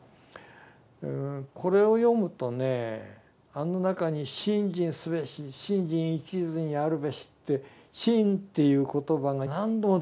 これを読むとねあの中に「信心すべし信心一途にあるべし」って「信」っていう言葉が何度も出てくるんですよ。